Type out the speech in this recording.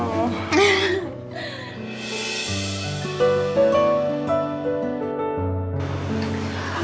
makasih banyak ya elsa